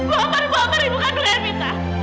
bapak ibu bapak ribukan dengan arvinda